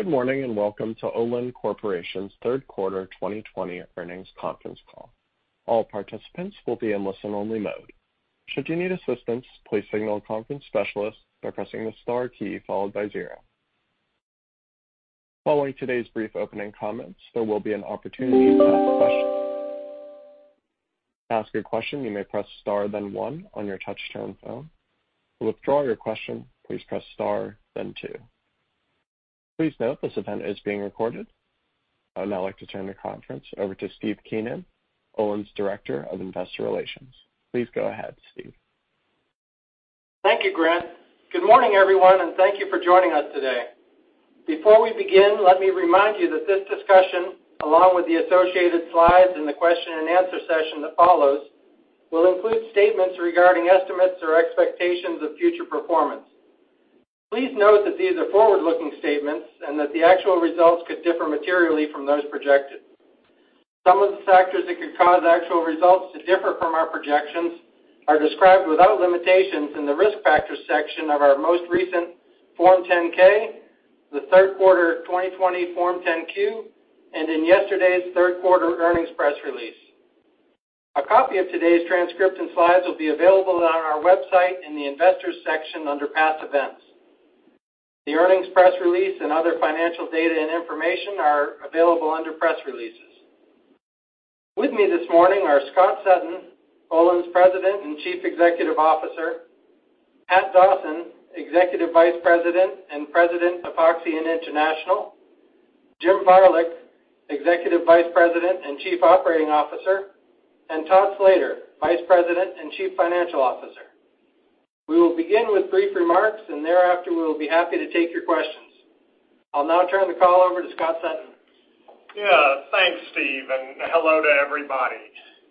Good morning, and welcome to Olin Corporation's third quarter 2020 earnings conference call. All participants will be in a listen-only mode. Should you need assistance please signal our conference specialist by pressing the star key followed by zero. Following today brief opening comment there would be opportunity to ask a question, to ask a question you may press star then one on your touch-tone phone. To withdraw your question please press star then two. Please note this event is being recorded. I would now like to turn the conference over to Steve Keenan, Olin's Director of Investor Relations. Please go ahead, Steve. Thank you, Grant. Good morning, everyone, and thank you for joining us today. Before we begin, let me remind you that this discussion, along with the associated slides and the question and answer session that follows, will include statements regarding estimates or expectations of future performance. Please note that these are forward-looking statements and that the actual results could differ materially from those projected. Some of the factors that could cause actual results to differ from our projections are described without limitations in the risk factors section of our most recent Form 10-K, the Q3 2020 Form 10-Q, and in yesterday's third quarter earnings press release. A copy of today's transcript and slides will be available on our website in the Investors section under Past Events. The earnings press release and other financial data and information are available under Press Releases. With me this morning are Scott Sutton, Olin's President and Chief Executive Officer, Pat Dawson, Executive Vice President and President of Epoxy and International, Jim Varilek, Executive Vice President and Chief Operating Officer, and Todd Slater, Vice President and Chief Financial Officer. We will begin with brief remarks, and thereafter, we will be happy to take your questions. I'll now turn the call over to Scott Sutton. Yeah. Thanks, Steve, and hello to everybody.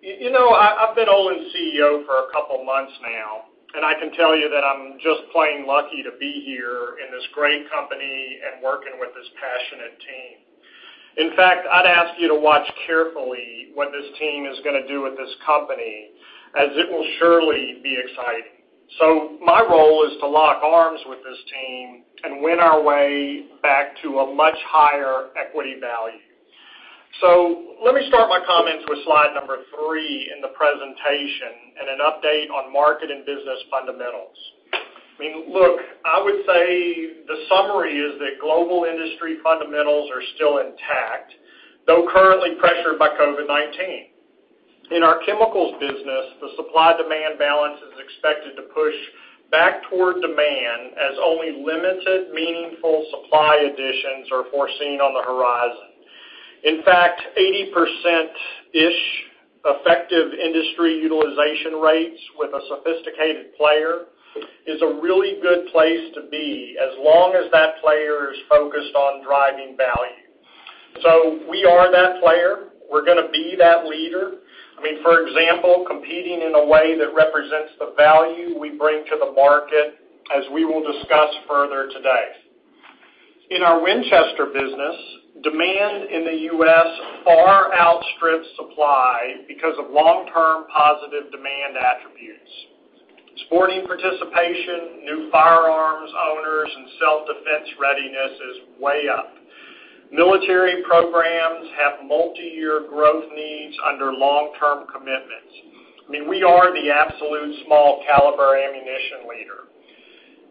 I've been Olin's CEO for a couple of months now, and I can tell you that I'm just plain lucky to be here in this great company and working with this passionate team. In fact, I'd ask you to watch carefully what this team is going to do with this company, as it will surely be exciting. My role is to lock arms with this team and win our way back to a much higher equity value. Let me start my comments with slide number three in the presentation and an update on market and business fundamentals. Look, I would say the summary is that global industry fundamentals are still intact, though currently pressured by COVID-19. In our chemicals business, the supply-demand balance is expected to push back toward demand as only limited meaningful supply additions are foreseen on the horizon. In fact, 80%-ish effective industry utilization rates with a sophisticated player is a really good place to be as long as that player is focused on driving value. We are that player. We're going to be that leader. For example, competing in a way that represents the value we bring to the market, as we will discuss further today. In our Winchester business, demand in the U.S. far outstrips supply because of long-term positive demand attributes. Sporting participation, new firearms owners, and self-defense readiness is way up. Military programs have multi-year growth needs under long-term commitments. We are the absolute small-caliber ammunition leader.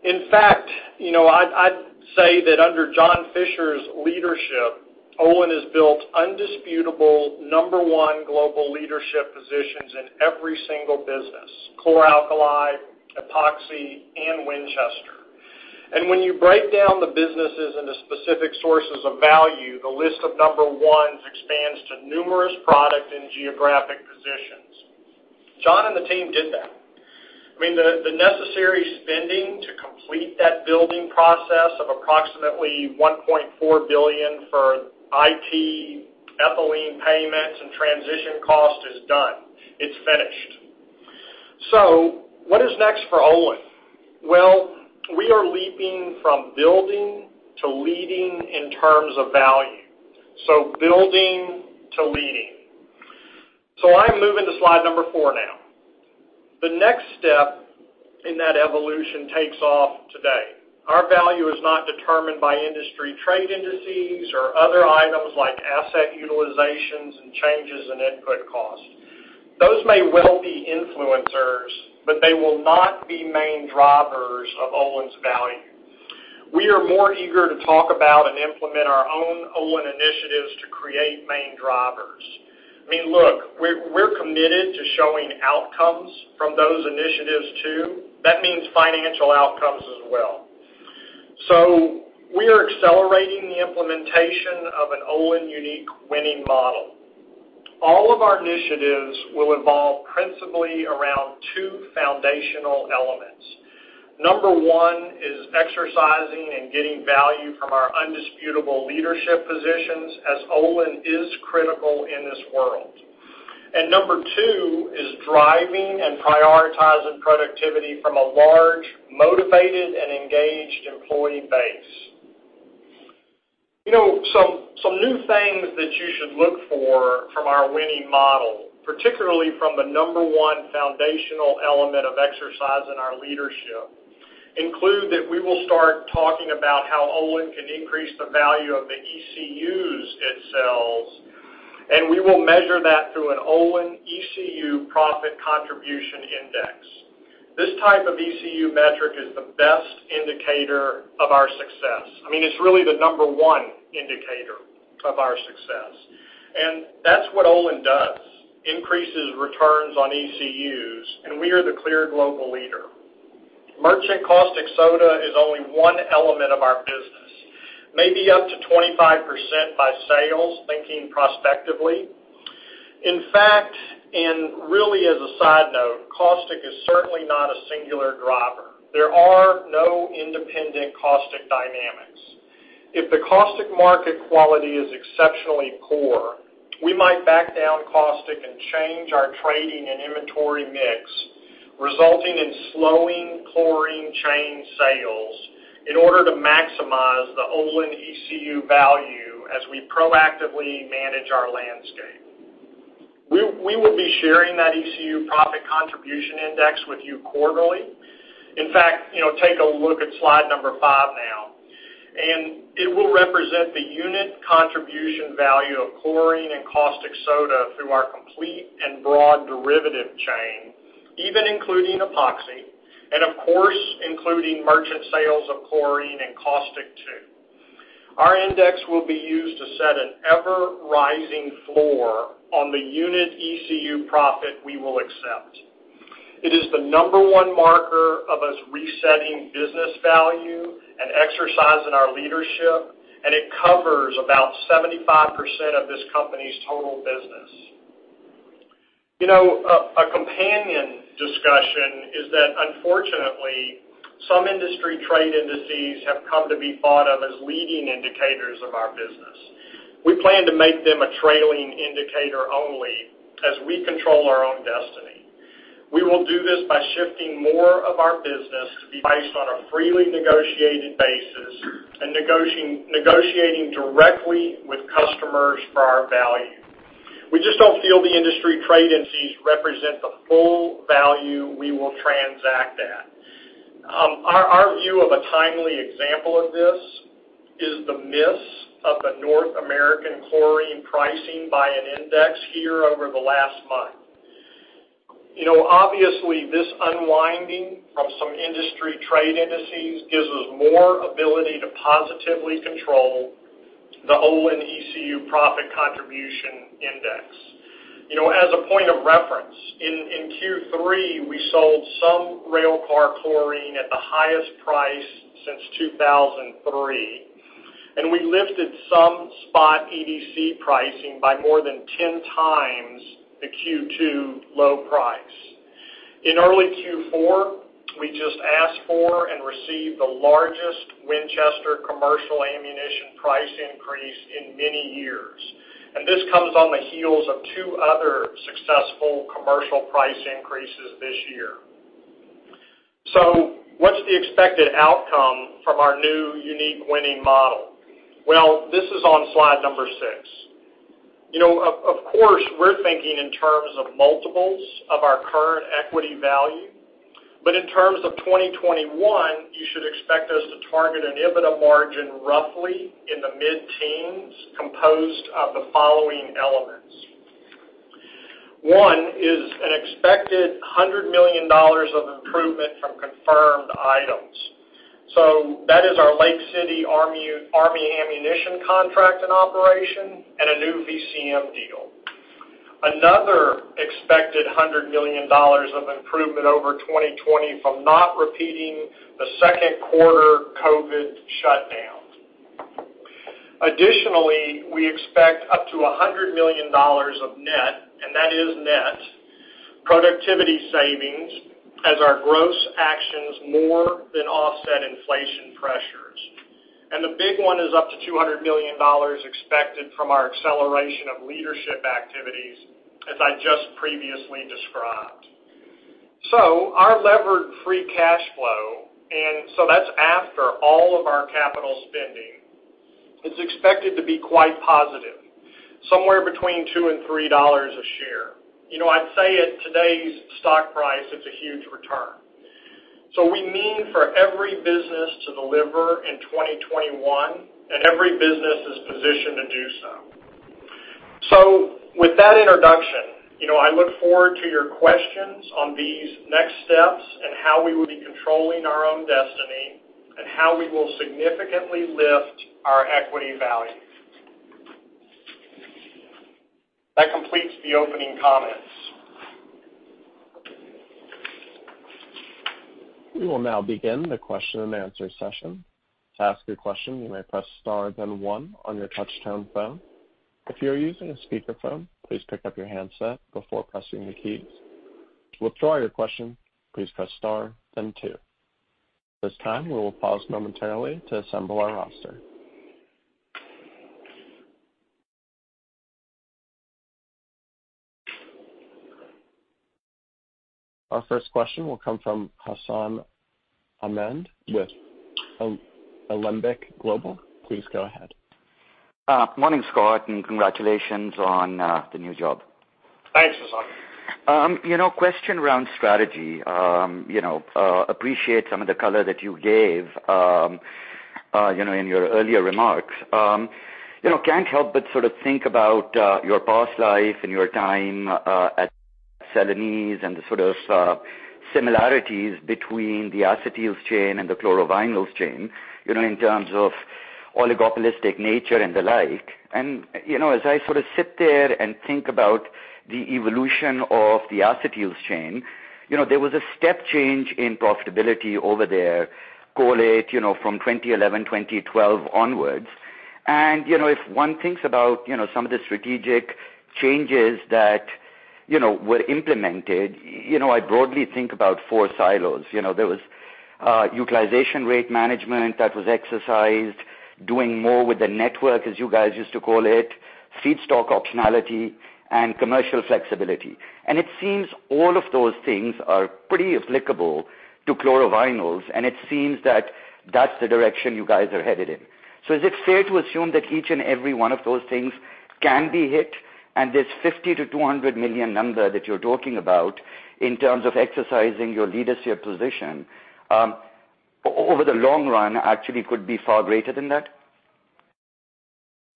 In fact, I'd say that under John Fischer's leadership, Olin has built undisputable number one global leadership positions in every single business, chlor-alkali, Epoxy, and Winchester. When you break down the businesses into specific sources of value, the list of number ones expands to numerous product and geographic positions. John and the team did that. The necessary spending to complete that building process of approximately $1.4 billion for IT, ethylene payments, and transition cost is done. It's finished. What is next for Olin? Well, we are leaping from building to leading in terms of value. Building to leading. I'm moving to slide number four now. The next step in that evolution takes off today. Our value is not determined by industry trade indices or other items like asset utilizations and changes in input cost. Those may well be influencers, but they will not be main drivers of Olin's value. We are more eager to talk about and implement our own Olin initiatives to create main drivers. We're committed to showing outcomes from those initiatives too. That means financial outcomes as well. We are accelerating the implementation of an Olin-unique winning model. All of our initiatives will evolve principally around two foundational elements. Number one is exercising and getting value from our undisputable leadership positions as Olin is critical in this world. Number two is driving and prioritizing productivity from a large, motivated, and engaged employee base. Some new things that you should look for from our winning model, particularly from the number one foundational element of exercising our leadership include that we will start talking about how Olin can increase the value of the ECUs it sells, and we will measure that through an Olin ECU Profit Contribution Index. This type of ECU metric is the best indicator of our success. It's really the number one indicator of our success. That's what Olin does, increases returns on ECUs, and we are the clear global leader. Merchant caustic soda is only one element of our business, maybe up to 25% by sales, thinking prospectively. In fact, really as a side note, caustic is certainly not a singular driver. There are no independent caustic dynamics. If the caustic market quality is exceptionally poor, we might back down caustic and change our trading and inventory mix, resulting in slowing chlorine chain sales in order to maximize the Olin ECU value as we proactively manage our landscape. We will be sharing that ECU Profit Contribution Index with you quarterly. In fact, take a look at slide number five now. It will represent the unit contribution value of chlorine and caustic soda through our complete and broad derivative chain, even including Epoxy, and of course, including merchant sales of chlorine and caustic too. Our index will be used to set an ever-rising floor on the unit ECU profit we will accept. It is the number one marker of us resetting business value and exercising our leadership, and it covers about 75% of this company's total business. A companion discussion is that unfortunately, some industry trade indices have come to be thought of as leading indicators of our business. We plan to make them a trailing indicator only as we control our own destiny. We will do this by shifting more of our business to be based on a freely negotiated basis and negotiating directly with customers for our value. We just don't feel the industry trade indices represent the full value we will transact at. Our view of a timely example of this is the miss of the North American chlorine pricing by an index here over the last month. This unwinding from some industry trade indices gives us more ability to positively control the Olin ECU Profit Contribution Index. As a point of reference, in Q3, we sold some rail car chlorine at the highest price since 2003, we lifted some spot EDC pricing by more than 10 times the Q2 low price. In early Q4, we just asked for and received the largest Winchester commercial ammunition price increase in many years. This comes on the heels of two other successful commercial price increases this year. What's the expected outcome from our new unique winning model? Well, this is on slide number six. Of course, we're thinking in terms of multiples of our current equity value. In terms of 2021, you should expect us to target an EBITDA margin roughly in the mid-teens composed of the following elements. One is an expected $100 million of improvement from confirmed items. That is our Lake City Army ammunition contract and operation and a new VCM deal. Another expected $100 million of improvement over 2020 from not repeating the second quarter COVID shutdown. Additionally, we expect up to $100 million of net, and that is net, productivity savings as our gross actions more than offset inflation pressures. The big one is up to $200 million expected from our acceleration of leadership activities, as I just previously described. Our levered free cash flow, that's after all of our capital spending, it's expected to be quite positive, somewhere between $2 and $3 a share. I'd say at today's stock price, it's a huge return. We mean for every business to deliver in 2021, and every business is positioned to do so. With that introduction, I look forward to your questions on these next steps and how we will be controlling our own destiny and how we will significantly lift our equity value. That completes the opening comments. We will now begin the question and answer session. To ask a question you may press star then one on your touch-tone phone. If you are using a speaker phone please pick up your handset before pressing the keys. To withdraw your question please press star then two. This time we will pause momentarily to assemble our roster. Our first question will come from Hassan Ahmed with Alembic Global. Please go ahead. Morning, Scott, and congratulations on the new job. Thanks, Hassan. Question around strategy. Appreciate some of the color that you gave in your earlier remarks. Can't help but sort of think about your past life and your time at Celanese and the sort of similarities between the acetyls chain and the chlorovinyls chain in terms of oligopolistic nature and the like. As I sort of sit there and think about the evolution of the acetyls chain, there was a step change in profitability over there, call it from 2011, 2012 onwards. If one thinks about some of the strategic changes that were implemented, I broadly think about four silos. There was utilization rate management that was exercised, doing more with the network, as you guys used to call it, feedstock optionality and commercial flexibility. It seems all of those things are pretty applicable to chlorovinyls, and it seems that that's the direction you guys are headed in. Is it fair to assume that each and every one of those things can be hit and this $50 million-$200 million number that you're talking about in terms of exercising your leadership position, over the long run, actually could be far greater than that?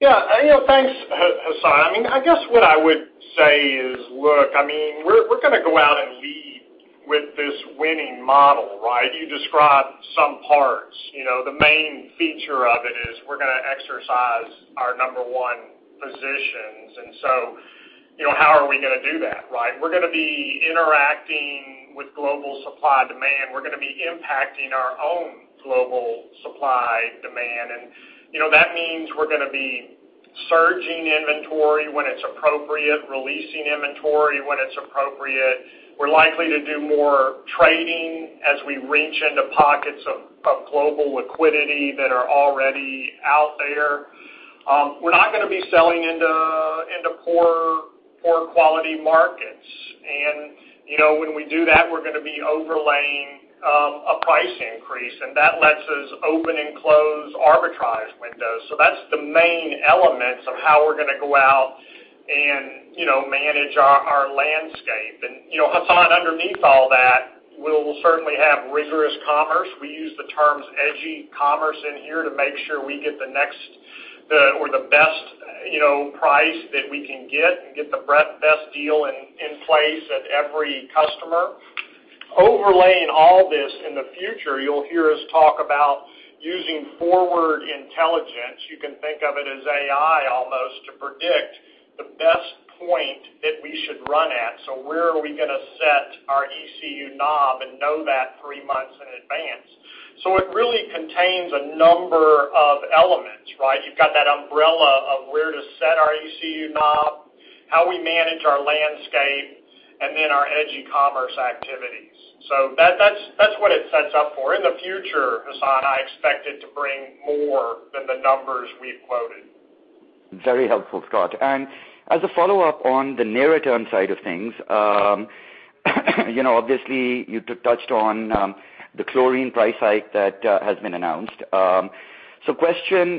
Thanks, Hassan. I guess what I would say is, look, we're going to go out and lead with this winning model, right? You described some parts. The main feature of it is we're going to exercise our number one positions. How are we going to do that, right? We're going to be interacting with global supply demand. We're going to be impacting our own global supply demand, and that means we're going to be surging inventory when it's appropriate, releasing inventory when it's appropriate. We're likely to do more trading as we reach into pockets of global liquidity that are already out there. We're not going to be selling into poor quality markets. When we do that, we're going to be overlaying a price increase, and that lets us open and close arbitrage windows. That's the main elements of how we're going to go out and manage our landscape. Hassan, underneath all that, we'll certainly have rigorous commerce. We use the terms edgy commerce in here to make sure we get the next or the best price that we can get and get the best deal in place at every customer. Overlaying all this in the future, you'll hear us talk about using forward intelligence. You can think of it as AI almost to predict the best point that we should run at. Where are we going to set our ECU knob and know that three months in advance. It really contains a number of elements, right? You've got that umbrella of where to set our ECU knob, how we manage our landscape, and then our edgy commerce activities. That's what it sets up for. In the future, Hassan, I expect it to bring more than the numbers we've quoted. Very helpful, Scott. As a follow-up on the near-term side of things, obviously you touched on the chlorine price hike that has been announced. Question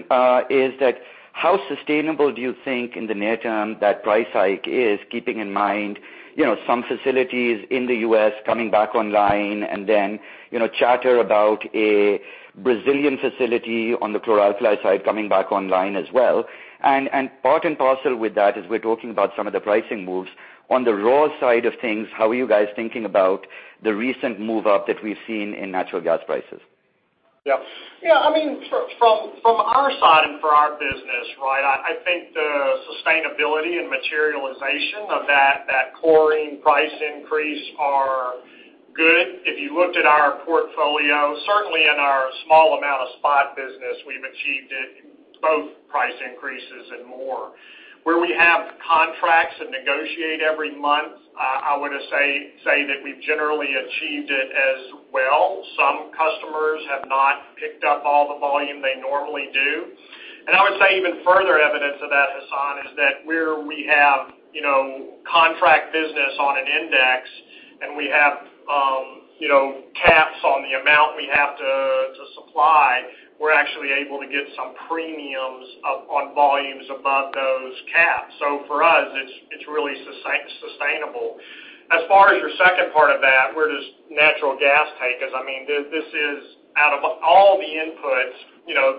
is that how sustainable do you think in the near term that price hike is, keeping in mind some facilities in the U.S. coming back online and then chatter about a Brazilian facility on the chlor-alkali side coming back online as well? Part and parcel with that, as we're talking about some of the pricing moves on the raw side of things, how are you guys thinking about the recent move up that we've seen in natural gas prices? Yeah. From our side and for our business, right, I think the sustainability and materialization of that chlorine price increase are good. If you looked at our portfolio, certainly in our small amount of spot business, we've achieved it, both price increases and more. Where we have contracts that negotiate every month, I would say that we've generally achieved it as well. Some customers have not picked up all the volume they normally do. I would say even further evidence of that, Hassan, is that where we have contract business on an index and we have caps on the amount we have to supply, we're actually able to get some premiums up on volumes above those caps. For us, it's really sustainable. As far as your second part of that, where does natural gas take us? Out of all the inputs,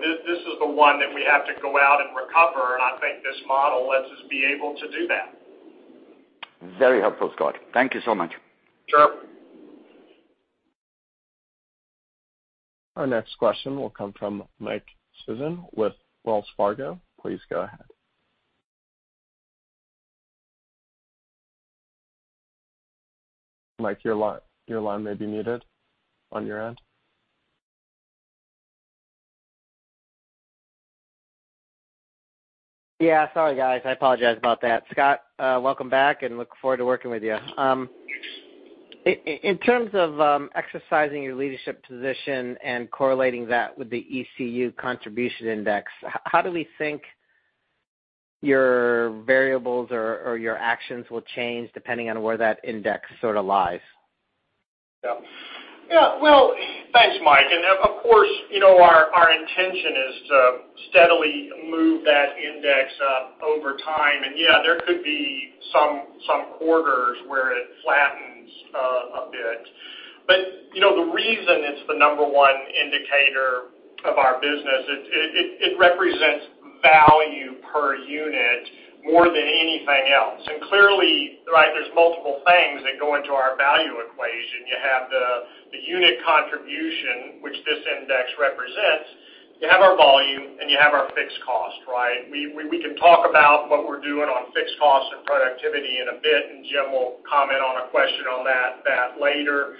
this is the one that we have to go out and recover, and I think this model lets us be able to do that. Very helpful, Scott. Thank you so much. Sure. Our next question will come from Mike Sison with Wells Fargo. Please go ahead. Mike, your line may be muted on your end. Yeah. Sorry, guys. I apologize about that. Scott, welcome back, and look forward to working with you. In terms of exercising your leadership position and correlating that with the ECU contribution index, how do we think your variables or your actions will change depending on where that index sort of lies? Yeah. Well, thanks, Mike. Of course, our intention is to steadily move that index up over time. Yeah, there could be some quarters where it flattens a bit. The reason it's the number one indicator of our business, it represents value per unit more than anything else. Clearly, there's multiple things that go into our value equation. You have the unit contribution, which this index represents. You have our volume, and you have our fixed cost, right? We can talk about what we're doing on fixed cost and productivity in a bit. Jim will comment on a question on that later.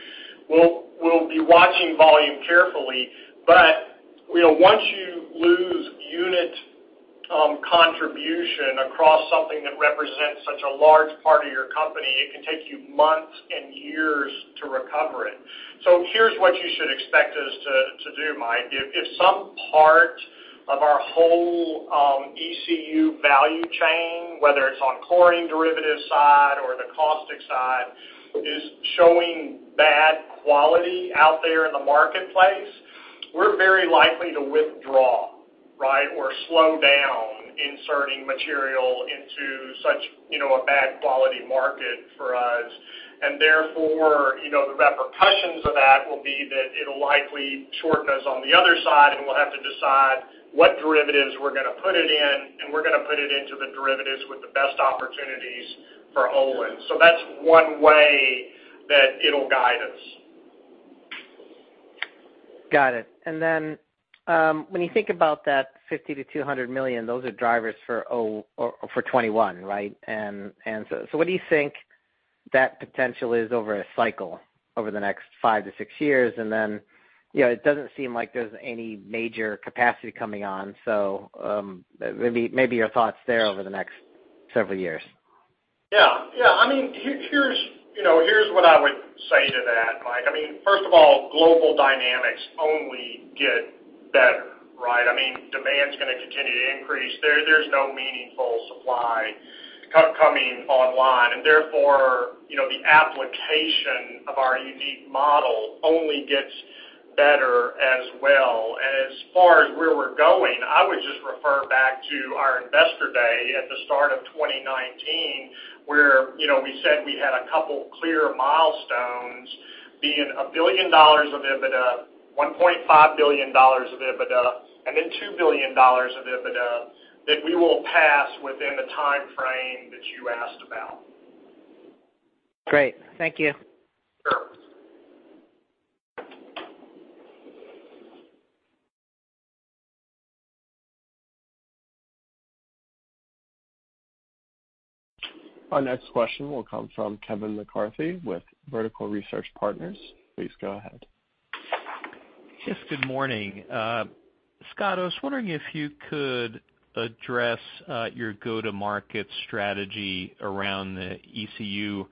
We'll be watching volume carefully. Once you lose unit contribution across something that represents such a large part of your company, it can take you months and years to recover it. Here's what you should expect us to do, Mike. If some part of our whole ECU value chain, whether it's on chlorine derivative side or the caustic side, is showing bad quality out there in the marketplace, we're very likely to withdraw, right? Slow down inserting material into such a bad quality market for us. Therefore, the repercussions of that will be that it'll likely shorten us on the other side, and we'll have to decide what derivatives we're going to put it in, and we're going to put it into the derivatives with the best opportunities for Olin. That's one way that it'll guide us. Got it. When you think about that $50 million-$200 million, those are drivers for 2021, right? What do you think that potential is over a cycle over the next five-six years? It doesn't seem like there's any major capacity coming on. Maybe your thoughts there over the next several years? Yeah. Here's what I would say to that, Mike. First of all, global dynamics only get better, right? Demand is going to continue to increase. There's no meaningful supply coming online. Therefore, the application of our unique model only gets better as well. As far as where we're going, I would just refer back to our investor day at the start of 2019, where we said we had a couple clear milestones being $1 billion of EBITDA, $1.5 billion of EBITDA, and then $2 billion of EBITDA that we will pass within the timeframe that you asked about. Great. Thank you. Sure. Our next question will come from Kevin McCarthy with Vertical Research Partners. Please go ahead. Yes, good morning. Scott, I was wondering if you could address your go-to-market strategy around the ECU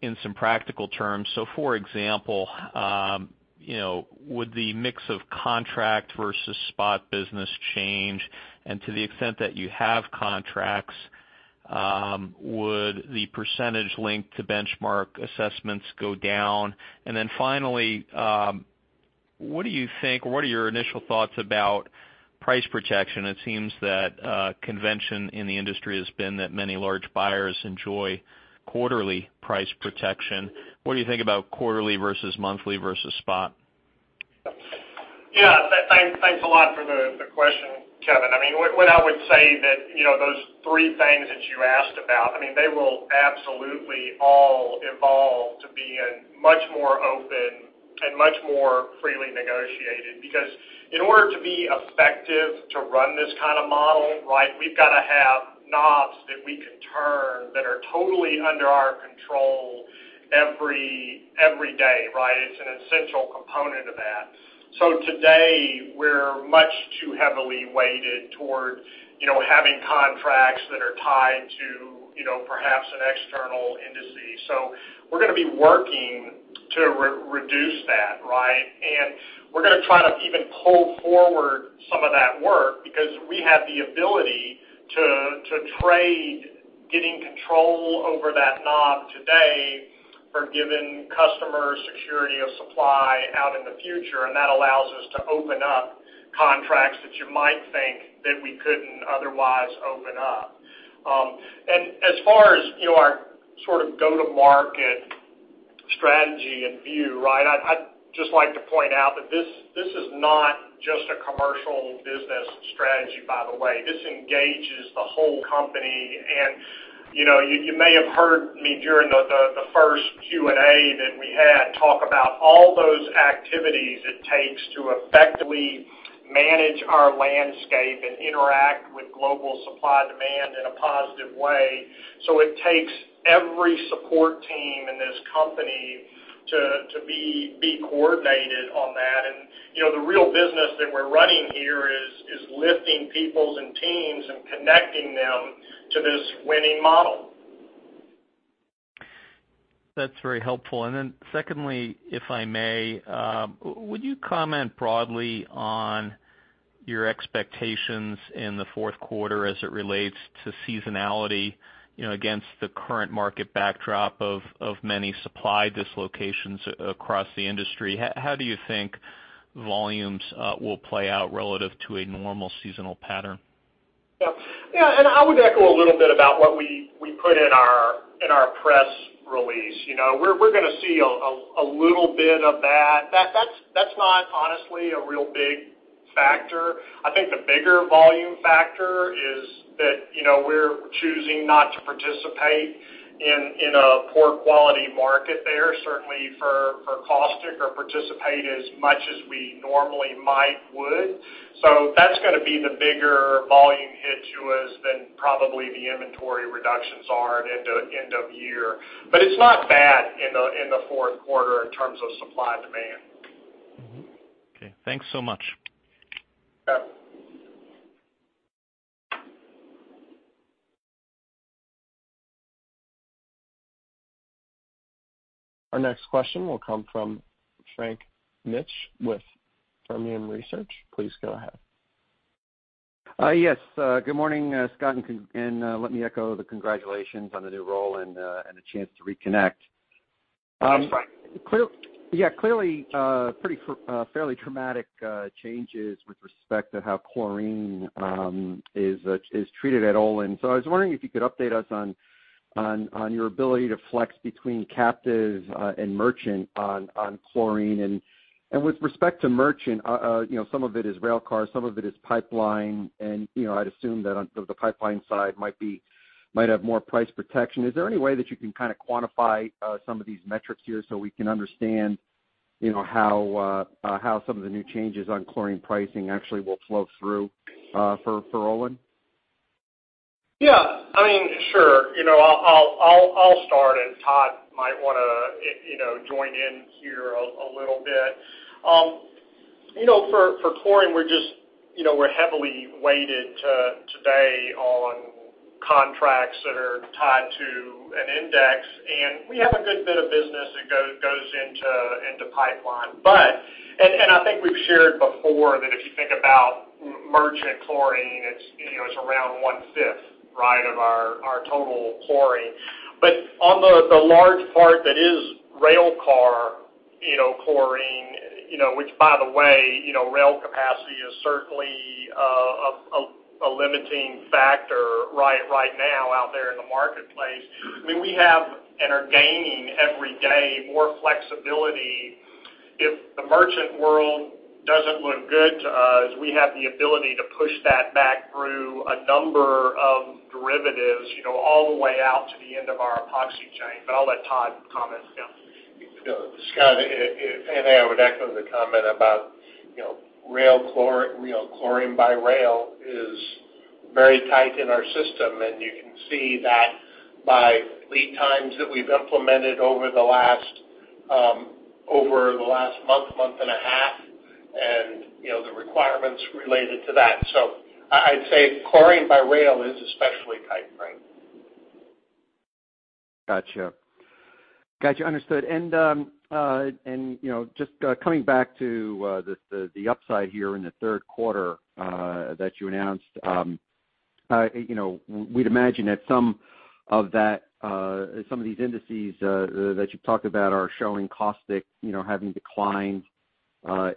in some practical terms. For example, would the mix of contract versus spot business change? To the extent that you have contracts, would the percentage link to benchmark assessments go down? Finally, what do you think, or what are your initial thoughts about price protection? It seems that convention in the industry has been that many large buyers enjoy quarterly price protection. What do you think about quarterly versus monthly versus spot? Thanks a lot for the question, Kevin. What I would say that, those three things that you asked about, they will absolutely all evolve to being much more open and much more freely negotiated. In order to be effective to run this kind of model, we've got to have knobs that we can turn that are totally under our control every day, right? It's an essential component of that. Today, we're much too heavily weighted toward having contracts that are tied to perhaps an external indices. We're going to be working to reduce that, right? We're going to try to even pull forward some of that work because we have the ability to trade getting control over that knob today for giving customers security of supply out in the future. That allows us to open up contracts that you might think that we couldn't otherwise open up. As far as our sort of go-to-market strategy and view, I'd just like to point out that this is not just a commercial business strategy, by the way. It engages the whole company. You may have heard me during the first Q&A that we had talk about all those activities it takes to effectively manage our landscape and interact with global supply-demand in a positive way. It takes every support team in this company to be coordinated on that. The real business that we're running here is lifting peoples and teams and connecting them to this winning model. That's very helpful. Secondly, if I may, would you comment broadly on your expectations in the fourth quarter as it relates to seasonality against the current market backdrop of many supply dislocations across the industry. How do you think volumes will play out relative to a normal seasonal pattern? Yeah. I would echo a little bit about what we put in our press release. We're going to see a little bit of that. That's not honestly a real big factor. I think the bigger volume factor is that we're choosing not to participate in a poor quality market there, certainly for caustic or participate as much as we normally might would. That's going to be the bigger volume hit to us than probably the inventory reductions are at end of year. It's not bad in the fourth quarter in terms of supply and demand. Mm-hmm. Okay, thanks so much. Yeah. Our next question will come from Frank Mitsch with Fermium Research. Please go ahead. Yes. Good morning, Scott, and let me echo the congratulations on the new role and the chance to reconnect. Thanks, Frank. Yeah. Clearly, fairly traumatic changes with respect to how chlorine is treated at Olin. I was wondering if you could update us on your ability to flex between captive and merchant on chlorine. With respect to merchant, some of it is railcar, some of it is pipeline, and I'd assume that on the pipeline side might have more price protection. Is there any way that you can kind of quantify some of these metrics here so we can understand how some of the new changes on chlorine pricing actually will flow through for Olin? Sure. I'll start, and Todd might want to join in here a little bit. For chlorine, we're heavily weighted today on contracts that are tied to an index, and we have a good bit of business that goes into pipeline. I think we've shared before that if you think about merchant chlorine, it's around 1/5 of our total chlorine. On the large part that is railcar chlorine, which by the way, rail capacity is certainly a limiting factor right now out there in the marketplace. We have and are gaining every day more flexibility. If the merchant world doesn't look good to us, we have the ability to push that back through a number of derivatives all the way out to the end of our Epoxy chain. I'll let Todd comment now. Scott, I would echo the comment about chlorine by rail is very tight in our system, and you can see that by lead times that we've implemented over the last month and a half, and the requirements related to that. I'd say chlorine by rail is especially tight, Frank. Got you. Understood. Just coming back to the upside here in the third quarter that you announced. We'd imagine that some of these indices that you've talked about are showing caustic having declined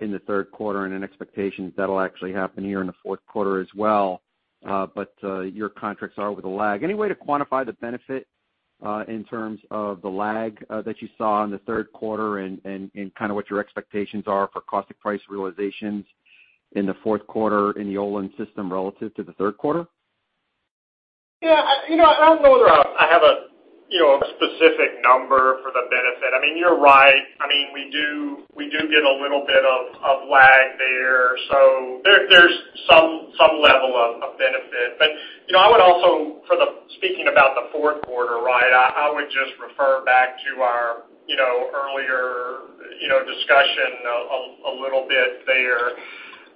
in the third quarter and an expectation that'll actually happen here in the fourth quarter as well. Your contracts are with a lag. Any way to quantify the benefit in terms of the lag that you saw in the third quarter and kind of what your expectations are for caustic price realizations in the fourth quarter in the Olin system relative to the third quarter? Yeah. I don't know that I have a specific number for the benefit. You're right. We do get a little bit of lag there. There's some level of benefit. I would also, speaking about the fourth quarter, I would just refer back to our earlier discussion a little bit there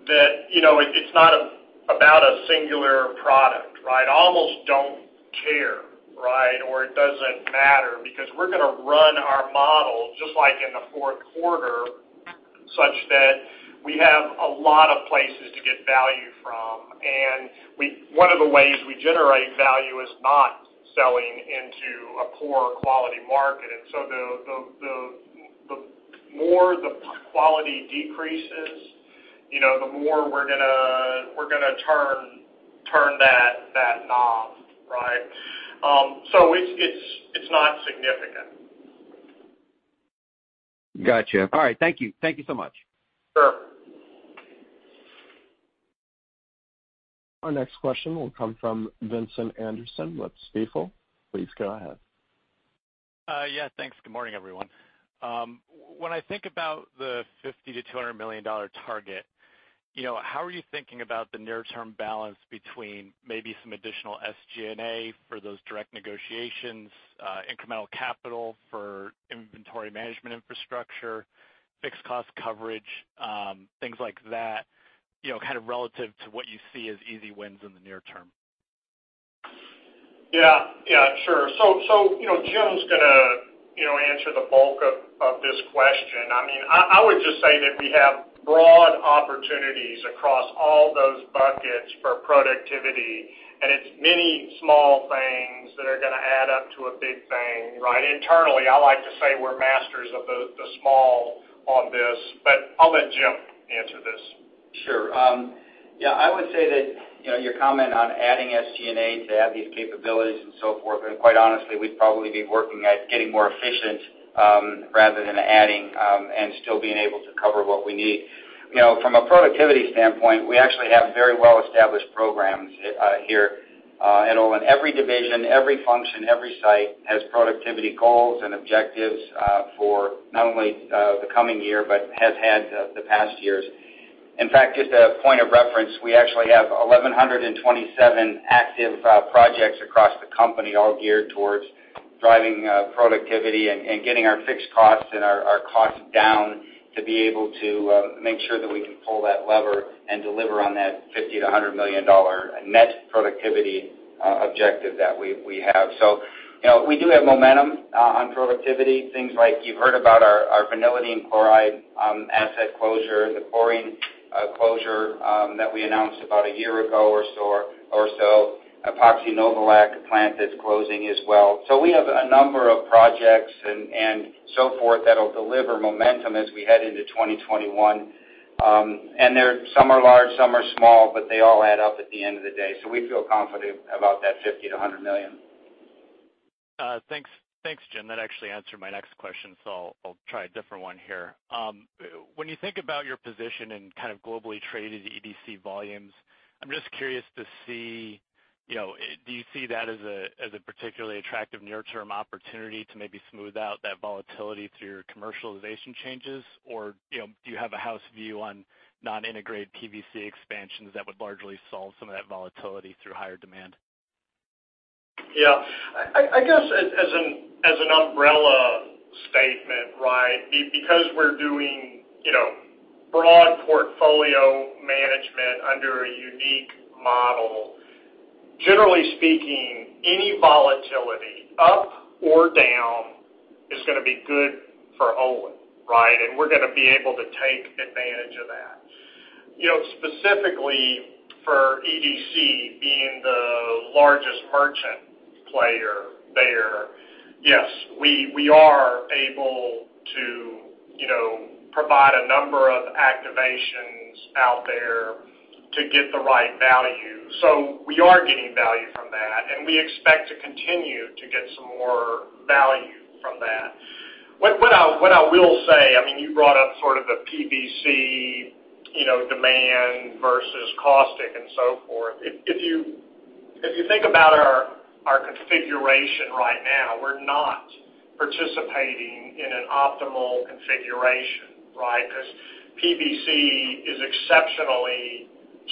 that it's not about a singular product. Almost don't care. It doesn't matter because we're going to run our model just like in the fourth quarter, such that we have a lot of places to get value from. One of the ways we generate value is not selling into a poor quality market. The more the quality decreases, the more we're going to turn that knob. It's not significant. Got you. All right. Thank you. Thank you so much. Sure. Our next question will come from Vincent Anderson with Stifel. Please go ahead. Yeah, thanks. Good morning, everyone. When I think about the $50 million-$200 million target, how are you thinking about the near term balance between maybe some additional SG&A for those direct negotiations, incremental capital for inventory management infrastructure, fixed cost coverage things like that, kind of relative to what you see as easy wins in the near term? Yeah, sure. Jim's going to answer the bulk of this question. I would just say that we have broad opportunities across all those buckets for productivity, and it's many small things that are going to add up to a big thing, right? Internally, I like to say we're masters of the small on this, but I'll let Jim answer this. Sure. Yeah, I would say that your comment on adding SGA to have these capabilities and so forth, and quite honestly, we'd probably be working at getting more efficient rather than adding and still being able to cover what we need. From a productivity standpoint, we actually have very well-established programs here at Olin. Every division, every function, every site has productivity goals and objectives for not only the coming year, but has had the past years. In fact, just a point of reference, we actually have 1,127 active projects across the company all geared towards driving productivity and getting our fixed costs and our costs down to be able to make sure that we can pull that lever and deliver on that $50 million-$100 million net productivity objective that we have. We do have momentum on productivity. Things like you've heard about our vinylidene chloride asset closure, the chlorine closure that we announced about a year ago or so, epoxy novolac plant that's closing as well. We have a number of projects and so forth that'll deliver momentum as we head into 2021. Some are large, some are small, but they all add up at the end of the day. We feel confident about that $50 million-$100 million. Thanks, Jim. That actually answered my next question, so I'll try a different one here. When you think about your position in kind of globally traded EDC volumes, I'm just curious to see, do you see that as a particularly attractive near-term opportunity to maybe smooth out that volatility through your commercialization changes? Do you have a house view on non-integrated PVC expansions that would largely solve some of that volatility through higher demand? Yeah. I guess as an umbrella statement, right, because we're doing broad portfolio management under a unique model, generally speaking, any volatility up or down is going to be good for Olin, right? We're going to be able to take advantage of that. Specifically for EDC being the largest merchant player there, yes, we are able to provide a number of activations out there to get the right value. We are getting value from that, and we expect to continue to get some more value from that. What I will say, you brought up sort of the PVC demand versus caustic and so forth. If you think about our configuration right now, we're not participating in an optimal configuration, right? PVC is exceptionally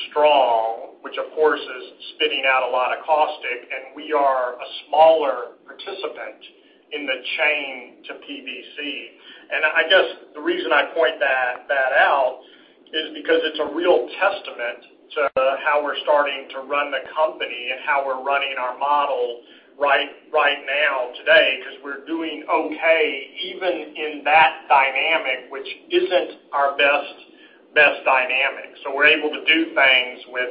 strong, which of course is spitting out a lot of caustic, and we are a smaller participant in the chain to PVC. I guess the reason I point that out is because it's a real testament to how we're starting to run the company and how we're running our model right now today, because we're doing okay even in that dynamic, which isn't our best dynamic. We're able to do things with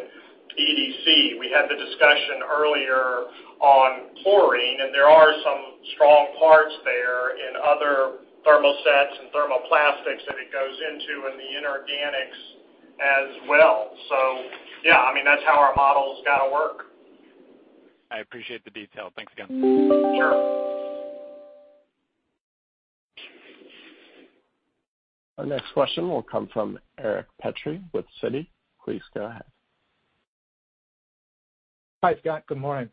EDC. We had the discussion earlier on chlorine, and there are some strong parts there in other thermosets and thermoplastics that it goes into, and the inorganics as well. Yeah, that's how our model's got to work. I appreciate the detail. Thanks again. Sure. Our next question will come from Eric Petrie with Citi. Please go ahead. Hi, Scott. Good morning.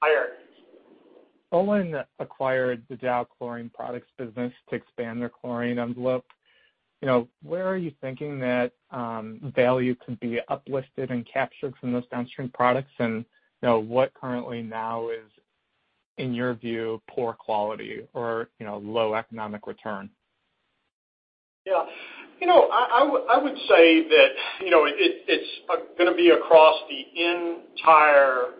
Hi, Eric. Olin acquired the Dow Chlorine Products business to expand their chlorine envelope. Where are you thinking that value could be uplisted and captured from those downstream products? What currently now is, in your view, poor quality or low economic return? Yeah. I would say that it's going to be across the entire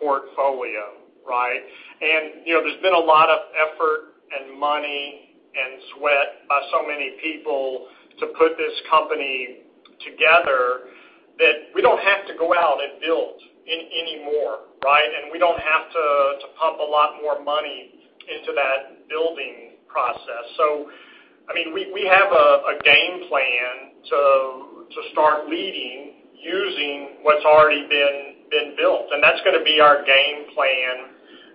portfolio, right? There's been a lot of effort and money and sweat by so many people to put this company together that we don't have to go out and build anymore, right? We don't have to pump a lot more money into that building process. We have a game plan to start leading using what's already been built, and that's going to be our game plan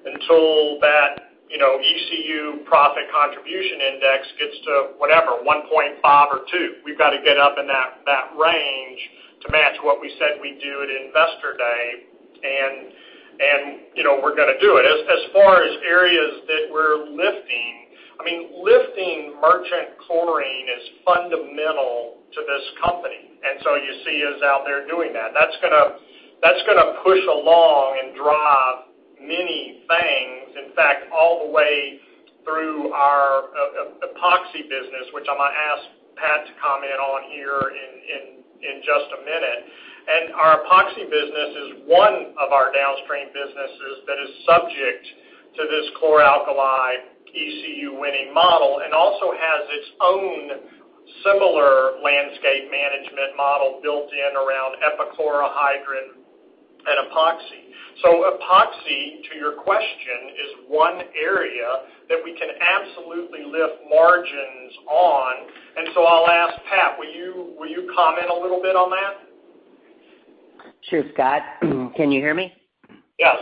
until that ECU Profit Contribution Index gets to whatever, 1.5 or two. We've got to get up in that range to match what we said we'd do at Investor Day, and we're going to do it. As far as areas that we're lifting merchant chlorine is fundamental to this company. You see us out there doing that. That's going to push along and drive many things. In fact, all the way through our Epoxy business, which I'm going to ask Pat to comment on here in just a minute. Our Epoxy business is one of our downstream businesses that is subject to this chlor-alkali ECU winning model, and also has its own similar landscape management model built in around epichlorohydrin and Epoxy. Epoxy, to your question, is one area that we can absolutely lift margins on. I'll ask Pat, will you comment a little bit on that? Sure, Scott. Can you hear me? Yes.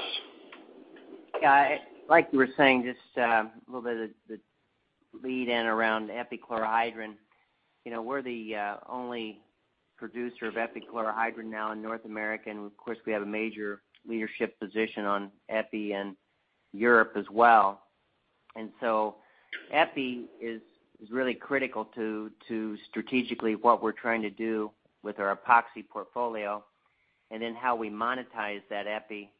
Like you were saying, just a little bit of the lead in around epichlorohydrin. We're the only producer of epichlorohydrin now in North America, and of course, we have a major leadership position on EPI in Europe as well. EPI is really critical to strategically what we're trying to do with our Epoxy portfolio, and then how we monetize that EPI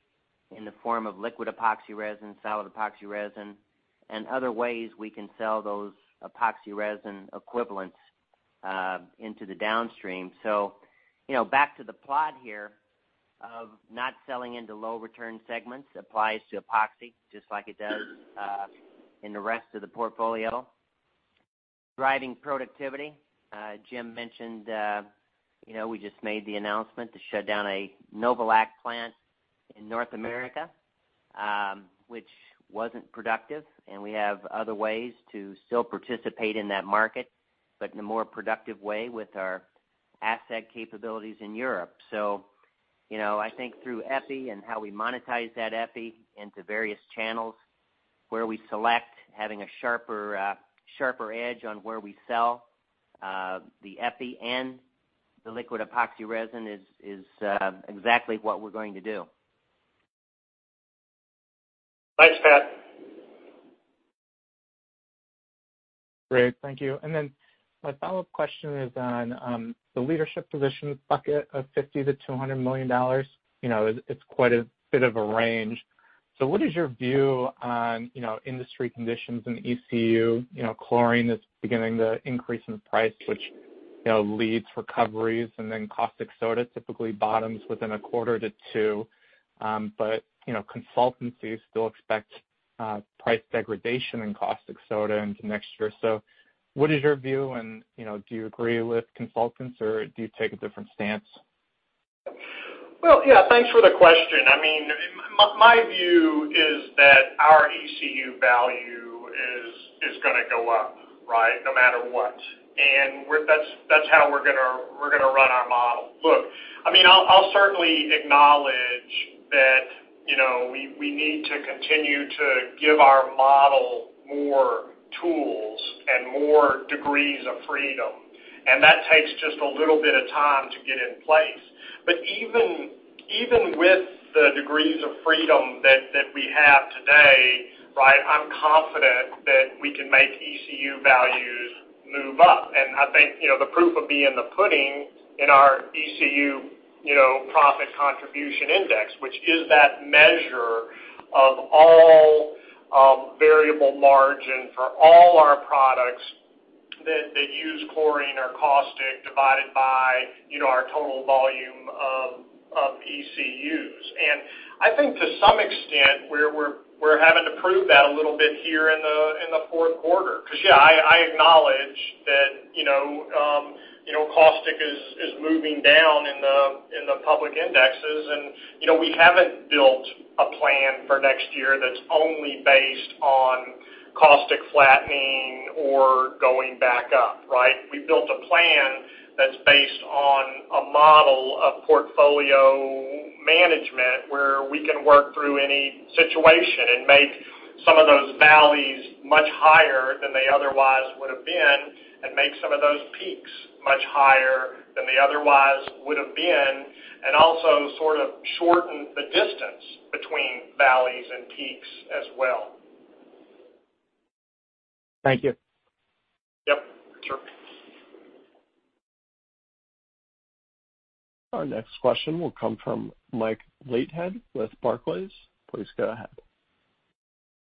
in the form of liquid epoxy resin, solid epoxy resin, and other ways we can sell those epoxy resin equivalents into the downstream. Back to the plot here of not selling into low return segments applies to Epoxy just like it does in the rest of the portfolio. Driving productivity, Jim mentioned we just made the announcement to shut down a Novolac plant in North America, which wasn't productive, and we have other ways to still participate in that market, but in a more productive way with our asset capabilities in Europe. I think through EPI and how we monetize that EPI into various channels where we select having a sharper edge on where we sell the EPI and the liquid epoxy resin is exactly what we're going to do. Thanks, Pat. Great. Thank you. My follow-up question is on the leadership position bucket of $50 million-$200 million. It's quite a bit of a range. What is your view on industry conditions in the ECU? Chlorine is beginning to increase in price, which leads recoveries, and then caustic soda typically bottoms within a quarter to two. Consultancies still expect price degradation in caustic soda into next year. What is your view and do you agree with consultants or do you take a different stance? Well, yeah, thanks for the question. My view is that our ECU value is going to go up, right? No matter what. That's how we're going to run our model. Look, I'll certainly acknowledge that we need to continue to give our model more tools and more degrees of freedom. That takes just a little bit of time to get in place. Even with the degrees of freedom that we have today, right, I'm confident that we can make ECU values move up. I think the proof will be in the pudding in our ECU Profit Contribution Index, which is that measure of all variable margin for all our products that use chlorine or caustic divided by our total volume of ECUs. I think to some extent, we're having to prove that a little bit here in the fourth quarter, because I acknowledge that caustic is moving down in the public indexes, and we haven't built a plan for next year that's only based on caustic flattening or going back up, right? We built a plan that's based on a model of portfolio management, where we can work through any situation and make some of those valleys much higher than they otherwise would have been, and make some of those peaks much higher than they otherwise would have been, and also sort of shorten the distance between valleys and peaks as well. Thank you. Yep, sure. Our next question will come from Mike Leithead with Barclays. Please go ahead.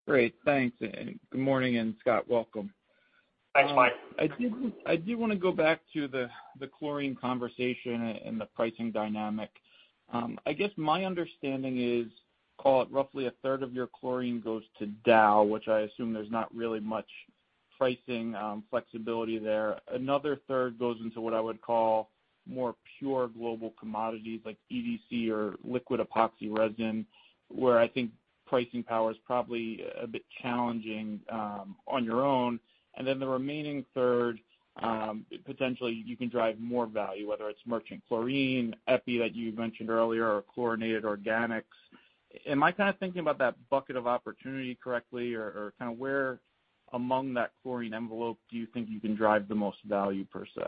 Great. Thanks. Good morning. Scott, welcome. Thanks, Mike. I do want to go back to the chlorine conversation and the pricing dynamic. I guess my understanding is, call it roughly a third of your chlorine goes to Dow, which I assume there's not really much pricing flexibility there. Another third goes into what I would call more pure global commodities like EDC or liquid epoxy resin, where I think pricing power is probably a bit challenging on your own. The remaining third, potentially you can drive more value, whether it's merchant chlorine, EPI that you mentioned earlier, or chlorinated organics. Am I kind of thinking about that bucket of opportunity correctly, or kind of where among that chlorine envelope do you think you can drive the most value, per se?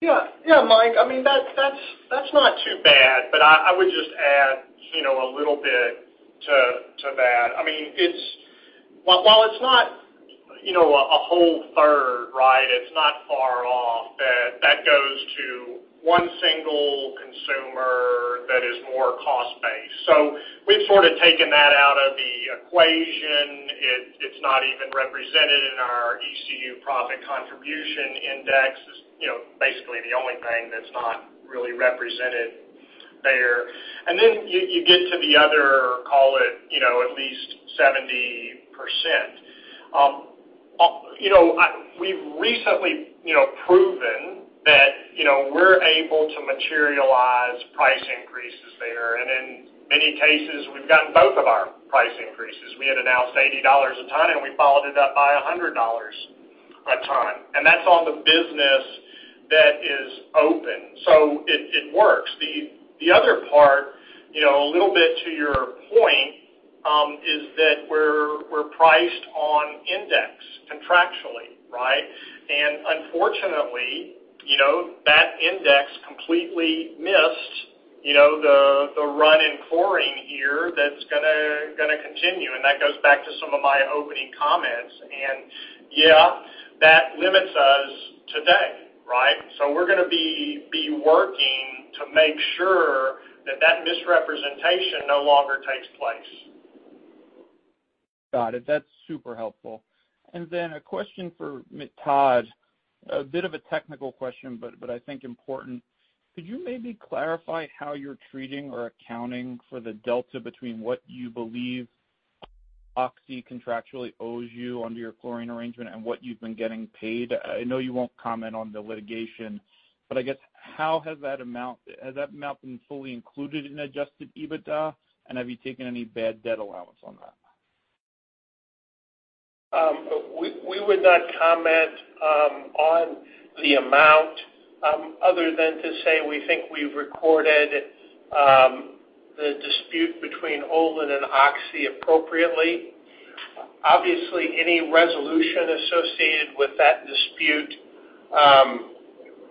Yeah, Mike, that's not too bad, but I would just add a little bit to that. While it's not a whole third. Right. It's not far off that goes to one single consumer that is more cost-based. We've sort of taken that out of the equation. It's not even represented in our ECU Profit Contribution Index. It's basically the only thing that's not really represented there. You get to the other, call it at least 70%. We've recently proven that we're able to materialize price increases there. In many cases, we've gotten both of our price increases. We had announced $80 a ton, and we followed it up by $100 a ton. That's on the business that is open. It works. The other part, a little bit to your point, is that we're priced on index contractually, right? Unfortunately, that index completely missed the run in chlorine here that's going to continue. That goes back to some of my opening comments, and yeah, that limits us today, right? We're going to be working to make sure that that misrepresentation no longer takes place. Got it. That's super helpful. A question for Todd. A bit of a technical question, but I think important. Could you maybe clarify how you're treating or accounting for the delta between what you believe Oxy contractually owes you under your chlorine arrangement and what you've been getting paid? I know you won't comment on the litigation, but I guess, has that amount been fully included in adjusted EBITDA? Have you taken any bad debt allowance on that? We would not comment on the amount other than to say we think we've recorded the dispute between Olin and Oxy appropriately. Obviously, any resolution associated with that dispute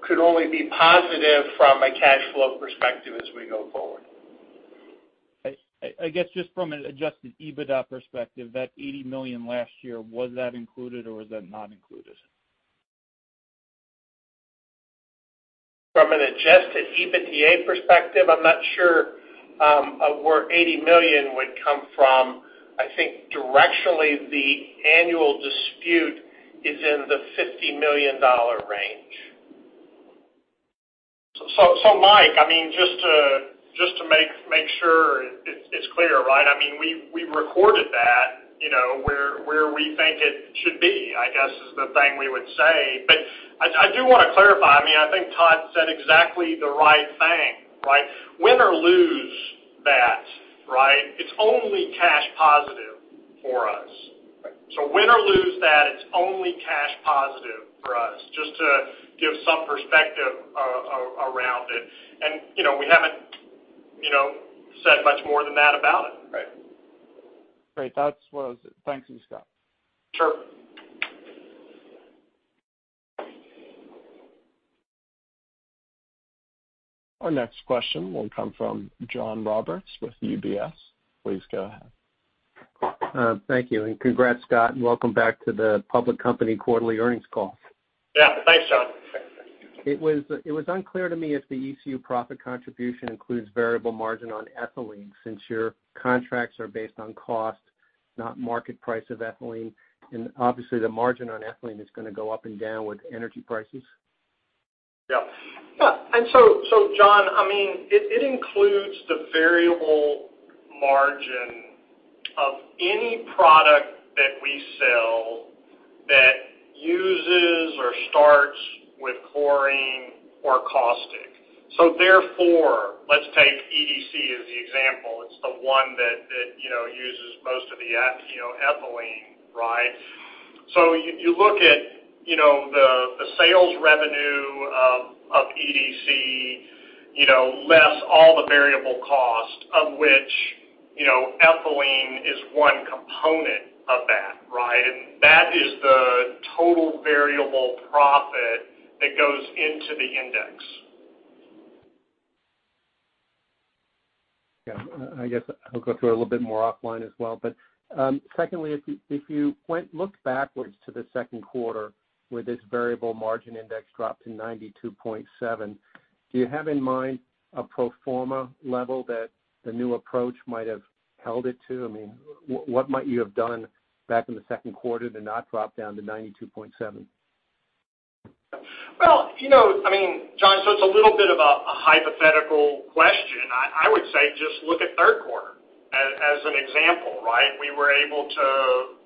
could only be positive from a cash flow perspective as we go forward. I guess just from an adjusted EBITDA perspective, that $80 million last year, was that included or was that not included? From an adjusted EBITDA perspective, I'm not sure where $80 million would come from. I think directionally, the annual dispute is in the $50 million range. Mike, just to make sure it's clear. We recorded that where we think it should be, I guess is the thing we would say. I do want to clarify, I think Todd said exactly the right thing. Win or lose that, it's only cash positive for us. Win or lose that, it's only cash positive for us, just to give some perspective around it. We haven't said much more than that about it. Right. That's what. Thanks you, Scott. Sure. Our next question will come from John Roberts with UBS. Please go ahead. Thank you, congrats, Scott, and welcome back to the public company quarterly earnings call. Yeah, thanks, John. It was unclear to me if the ECU profit contribution includes variable margin on ethylene, since your contracts are based on cost, not market price of ethylene. Obviously the margin on ethylene is going to go up and down with energy prices? Yeah. John, it includes the variable margin of any product that we sell that uses or starts with chlorine or caustic. Let's take EDC as the example. It's the one that uses most of the ethylene. You look at the sales revenue of EDC less all the variable cost of which ethylene is one component of that. That is the total variable profit that goes into the index. Yeah. I guess I'll go through it a little bit more offline as well. Secondly, if you look backwards to the second quarter where this variable margin index dropped to 92.7, do you have in mind a pro forma level that the new approach might have held it to? What might you have done back in the second quarter to not drop down to 92.7? John, it's a little bit of a hypothetical question. I would say, just look at third quarter as an example. We were able to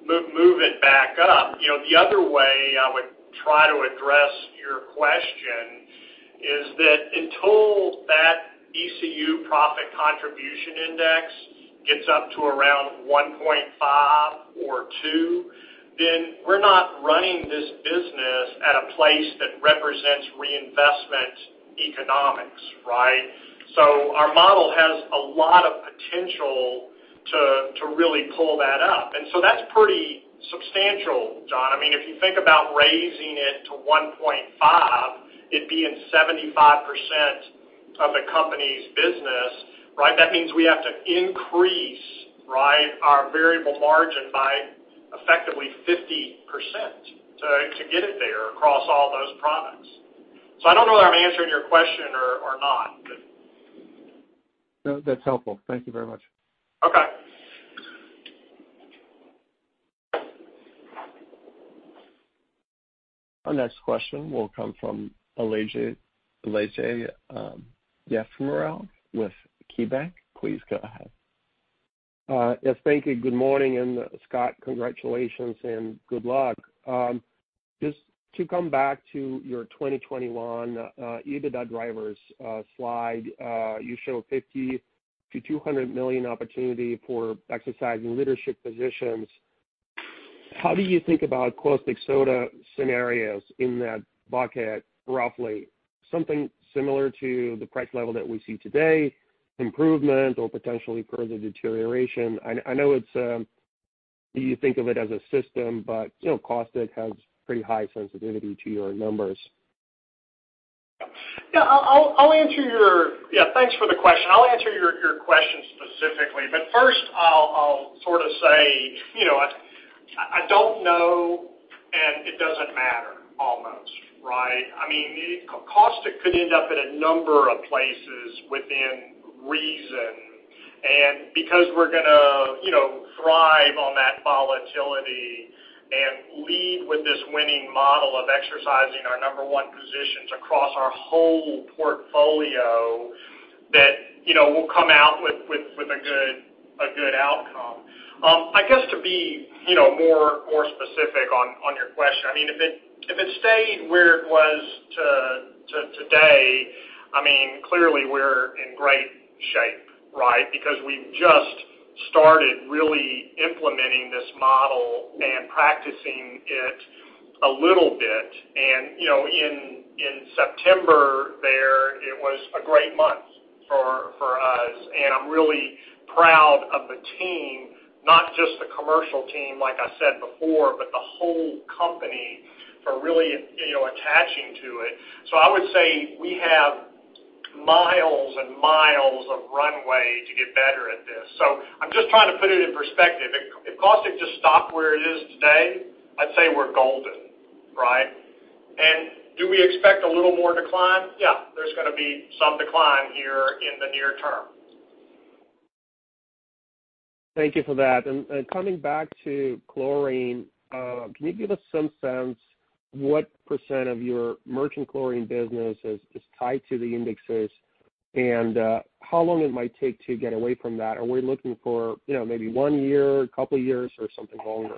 move it back up. The other way I would try to address your question is that until that ECU Profit Contribution Index gets up to around 1.5 or 2, we're not running this business at a place that represents reinvestment economics. Our model has a lot of potential to really pull that up. That's pretty substantial, John. If you think about raising it to 1.5, it being 75% of the company's business, that means we have to increase our variable margin by effectively 50% to get it there across all those products. I don't know that I'm answering your question or not. No, that's helpful. Thank you very much. Okay. Our next question will come from Aleksey Yefremov with KeyBanc. Please go ahead. Yes, thank you. Good morning, Scott, congratulations and good luck. Just to come back to your 2021 EBITDA drivers slide, you show $50 million-$200 million opportunity for exercising leadership positions. How do you think about caustic soda scenarios in that bucket, roughly? Something similar to the price level that we see today, improvement or potentially further deterioration? I know you think of it as a system, caustic has pretty high sensitivity to your numbers? Yeah. Thanks for the question. I'll answer your question specifically, first I'll sort of say, I don't know, it doesn't matter almost. Caustic could end up in a number of places within reason, because we're going to thrive on that volatility and lead with this winning model of exercising our number one positions across our whole portfolio, that we'll come out with a good outcome. I guess to be more specific on your question, if it stayed where it was to today, clearly we're in great shape. We've just started really implementing this model and practicing it a little bit. In September there, it was a great month for us, and I'm really proud of the team, not just the commercial team, like I said before, but the whole company for really attaching to it. I would say we have miles and miles of runway to get better at this. I'm just trying to put it in perspective. If caustic just stopped where it is today, I'd say we're golden, right? Do we expect a little more decline? Yeah, there's going to be some decline here in the near term. Thank you for that. Coming back to chlorine, can you give us some sense what percent of your merchant chlorine business is tied to the indexes, and how long it might take to get away from that? Are we looking for maybe one year, a couple of years, or something longer?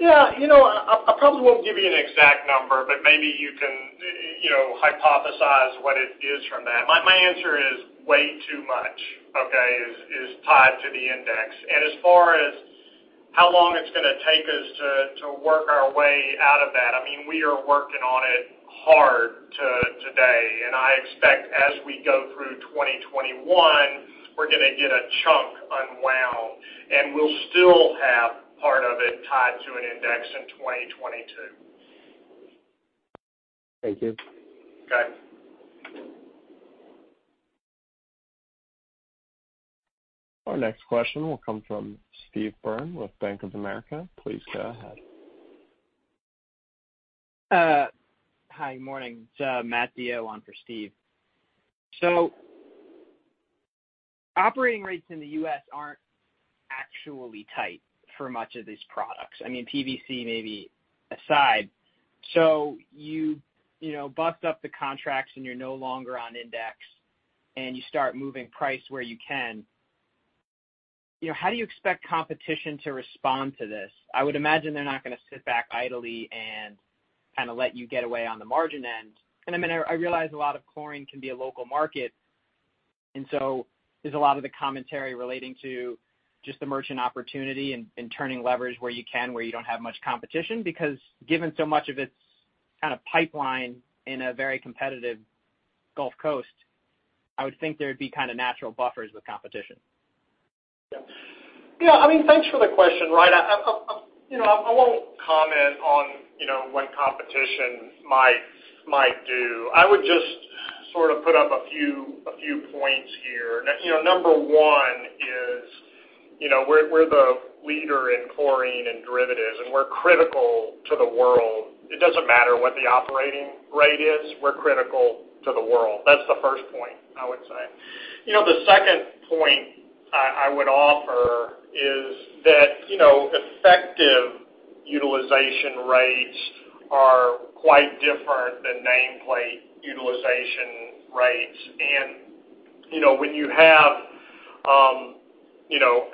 Yeah. I probably won't give you an exact number, but maybe you can hypothesize what it is from that. My answer is way too much, okay, is tied to the index. As far as how long it's going to take us to work our way out of that, we are working on it hard today, and I expect as we go through 2021, we're going to get a chunk unwound, and we'll still have part of it tied to an index in 2022. Thank you. Okay. Our next question will come from Steve Byrne with Bank of America. Please go ahead. Hi, morning. It's Matt DeYoe on for Steve. Operating rates in the U.S. aren't actually tight for much of these products. PVC maybe aside. You bust up the contracts and you're no longer on index, and you start moving price where you can. How do you expect competition to respond to this? I would imagine they're not going to sit back idly and kind of let you get away on the margin end. I realize a lot of chlorine can be a local market, and so there's a lot of the commentary relating to just the merchant opportunity and turning leverage where you can, where you don't have much competition, because given so much of its kind of pipeline in a very competitive Gulf Coast, I would think there'd be kind of natural buffers with competition? Yeah. Thanks for the question. I won't comment on what competition might do. I would just sort of put up a few points here. Number one is we're the leader in chlorine and derivatives, and we're critical to the world. It doesn't matter what the operating rate is, we're critical to the world. That's the first point, I would say. The second point I would offer is that effective utilization rates are quite different than nameplate utilization rates. And when you have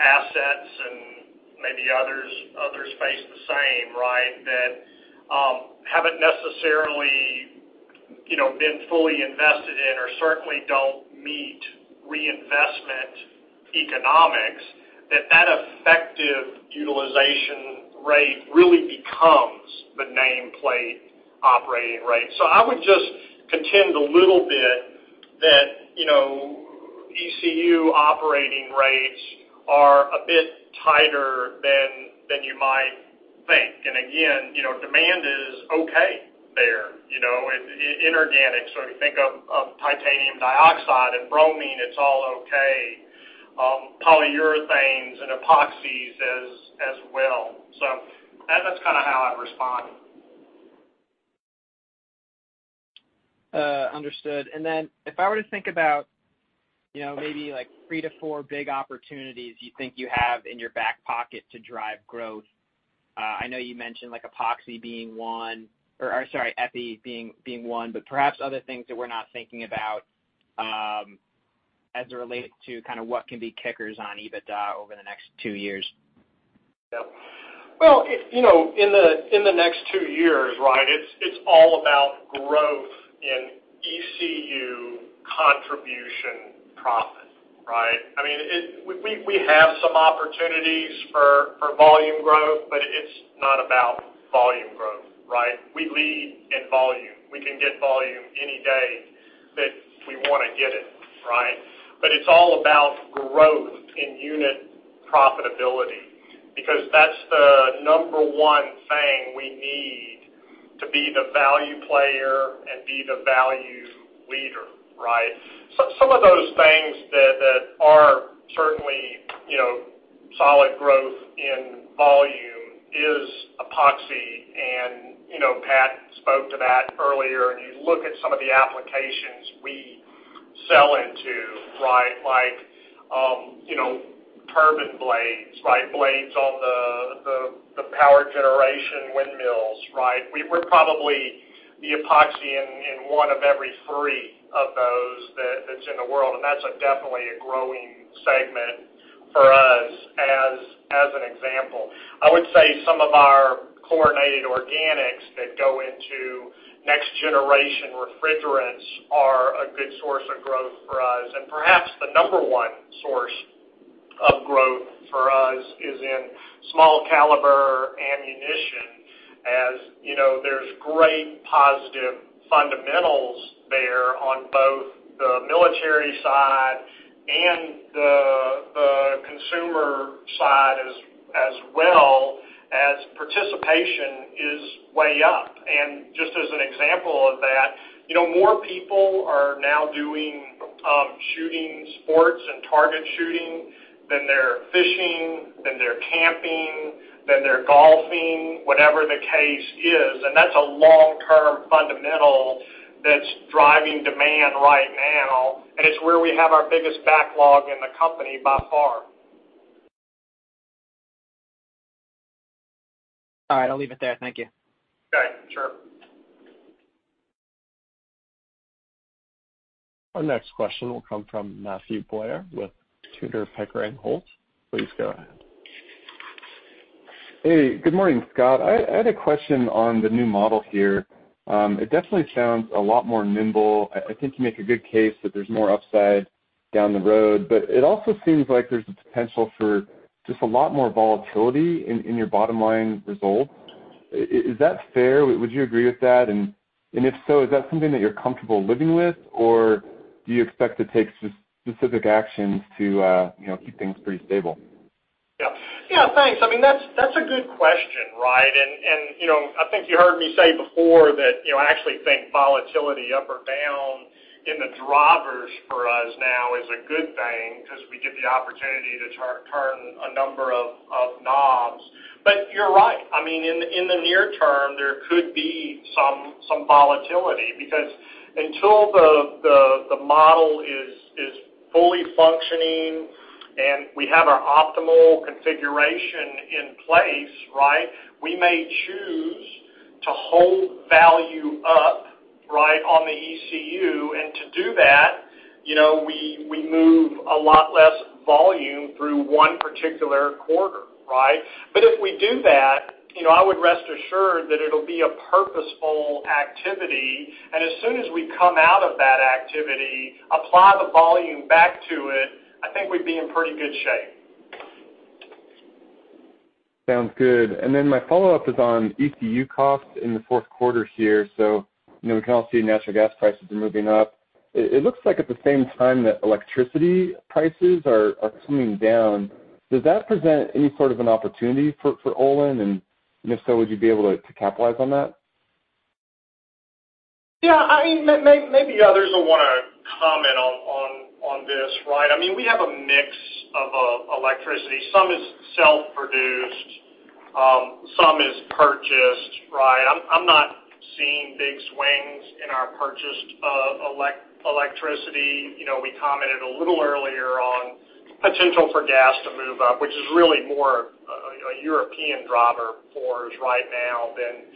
assets and maybe others face the same that haven't necessarily been fully invested in or certainly don't meet reinvestment economics, that that effective utilization rate really becomes the nameplate operating rate. I would just contend a little bit that ECU operating rates are a bit tighter than you might think. Again, demand is okay there. In organics, if you think of titanium dioxide and bromine, it's all okay. Polyurethanes and epoxies as well. That's how I'd respond. Understood. If I were to think about maybe three-four big opportunities you think you have in your back pocket to drive growth, I know you mentioned Epoxy being one, or, sorry, EPI being one, but perhaps other things that we're not thinking about as it relates to what can be kickers on EBITDA over the next two years? Well, in the next two years, it's all about growth in ECU contribution profit, right? We have some opportunities for volume growth, it's not about volume growth, right? We lead in volume. We can get volume any day that we want to get it, right? It's all about growth in unit profitability, because that's the number one thing we need to be the value player and be the value leader, right? Some of those things that are certainly solid growth in volume is Epoxy and Pat spoke to that earlier, you look at some of the applications we sell into, right? Like turbine blades, right? Blades on the power generation windmills, right? We're probably the Epoxy in one of every three of those that's in the world, that's definitely a growing segment for us as an example. I would say some of our chlorinated organics that go into next generation refrigerants are a good source of growth for us. Perhaps the number one source of growth for us is in small caliber ammunition. There's great positive fundamentals there on both the military side and the consumer side as well, as participation is way up. Just as an example of that, more people are now doing shooting sports and target shooting than they're fishing, than they're camping, than they're golfing, whatever the case is. That's a long-term fundamental that's driving demand right now, and it's where we have our biggest backlog in the company by far. All right. I'll leave it there. Thank you. Okay. Sure. Our next question will come from Matthew Blair with Tudor, Pickering, Holt. Please go ahead. Hey, good morning, Scott. I had a question on the new model here. It definitely sounds a lot more nimble. I think you make a good case that there's more upside down the road, but it also seems like there's a potential for just a lot more volatility in your bottom line results. Is that fair? Would you agree with that? If so, is that something that you're comfortable living with, or do you expect to take specific actions to keep things pretty stable? Yeah, thanks. That's a good question, right? I think you heard me say before that I actually think volatility up or down in the drivers for us now is a good thing because we get the opportunity to turn a number of knobs. You're right. In the near term, there could be some volatility because until the model is fully functioning and we have our optimal configuration in place, we may choose to hold value up on the ECU. To do that, we move a lot less volume through one particular quarter, right? If we do that, I would rest assured that it'll be a purposeful activity. As soon as we come out of that activity, apply the volume back to it, I think we'd be in pretty good shape. Sounds good. My follow-up is on ECU cost in the fourth quarter here. We can all see natural gas prices are moving up. It looks like at the same time that electricity prices are coming down. Does that present any sort of an opportunity for Olin? If so, would you be able to capitalize on that? Yeah. Maybe others will want to comment on this. We have a mix of electricity. Some is self-produced, some is purchased. I'm not seeing big swings in our purchase of electricity. We commented a little earlier on potential for gas to move up, which is really more a European driver for us right now than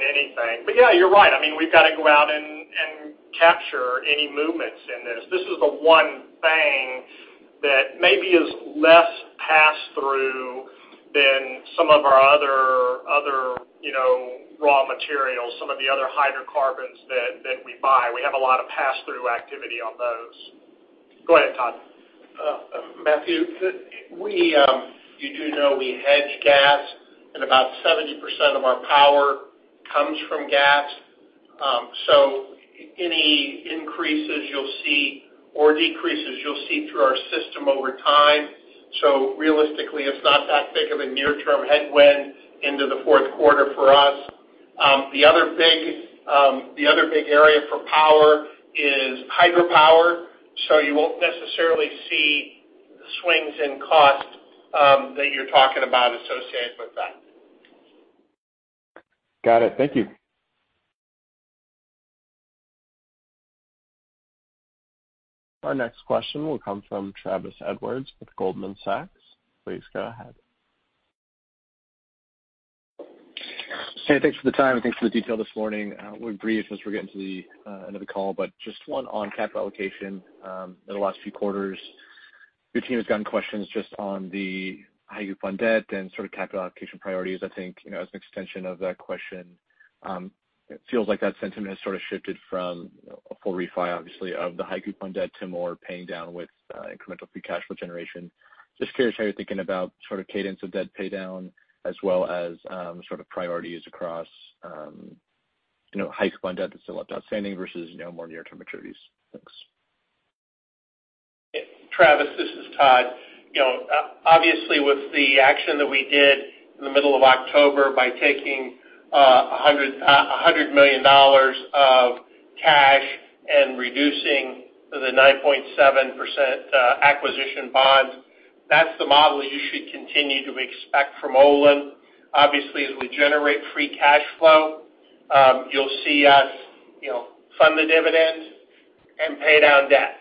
anything. Yeah, you're right. We've got to go out and capture any movements in this. This is the one thing that maybe is less pass-through than some of our other raw materials, some of the other hydrocarbons that we buy. We have a lot of pass-through activity on those. Go ahead, Todd. Matthew, you do know we hedge gas and about 70% of our power comes from gas. Any increases you'll see or decreases you'll see through our system over time. Realistically, it's not that big of a near-term headwind into the fourth quarter for us. The other big area for power is hydropower, so you won't necessarily see the swings in cost that you're talking about associated with that. Got it. Thank you. Our next question will come from Travis Edwards with Goldman Sachs. Please go ahead. Hey, thanks for the time and thanks for the detail this morning. We're brief as we're getting to the end of the call, but just one on capital allocation. In the last few quarters, your team has gotten questions just on the high-coupon debt and capital allocation priorities. I think, as an extension of that question, it feels like that sentiment has sort of shifted from a full refi, obviously, of the high-coupon debt to more paying down with incremental free cash flow generation. Just curious how you're thinking about cadence of debt paydown as well as priorities across high-coupon debt that's still left outstanding versus no more near-term maturities? Thanks. Travis, this is Todd. Obviously, with the action that we did in the middle of October by taking $100 million of cash and reducing the 9.7% acquisition bond, that's the model you should continue to expect from Olin. Obviously, as we generate free cash flow, you'll see us fund the dividends and pay down debt.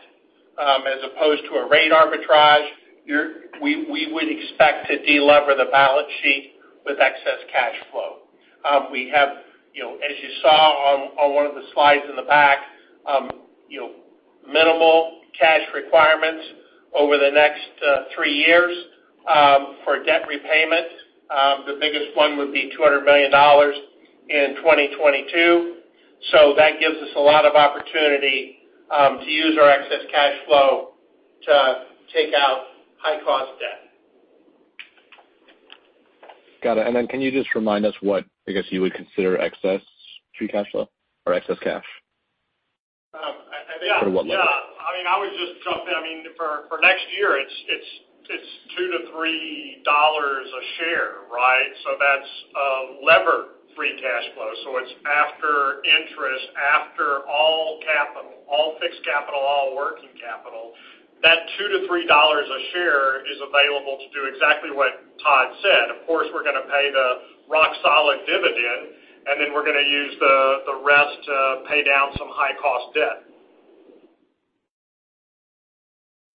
As opposed to a rate arbitrage, we would expect to de-lever the balance sheet with excess cash flow. We have, as you saw on one of the slides in the back, minimal cash requirements over the next three years for debt repayment. The biggest one would be $200 million in 2022. That gives us a lot of opportunity to use our excess cash flow to take out high-cost debt. Got it. Then can you just remind us what, I guess, you would consider excess free cash flow or excess cash? I think, yeah. What level? For next year, it's $2-$3 a share. That's lever free cash flow. It's after interest, after all capital, all fixed capital, all working capital. That $2-$3 a share is available to do exactly what Todd said. Of course, we're going to pay the rock-solid dividend, and then we're going to use the rest to pay down some high-cost debt.